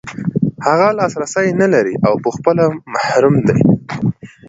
هغه لاسرسی نلري او په خپله محروم دی.